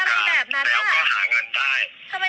คุณลองคิดก่อนนั้น